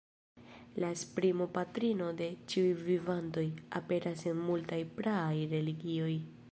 La esprimo "patrino de ĉiuj vivantoj" aperas en multaj praaj religioj.